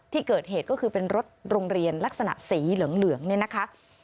ที่เกิดเหตุก็คือเป็นรถโรงเรียนลักษณะสีเหลืองเนี่ยนะคะ